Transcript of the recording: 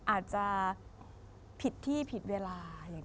อาจจะผิดที่ผิดเวลา